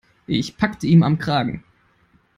Ich packte ihn am Kragen.